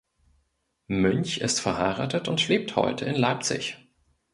Münch ist verheiratet und lebt heute in Leipzig.